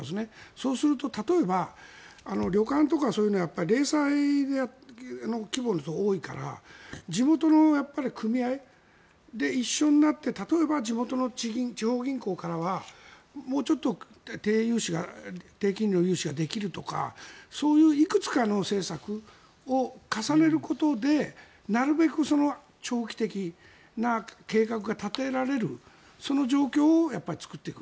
そうすると、例えば旅館とかそういうのは零細規模のところが多いから地元の組合で一緒になって例えば、地元の地方銀行からはもうちょっと低金利の融資ができるとかそういういくつかの政策を重ねることでなるべく長期的な計画が立てられるその状況を作っていく。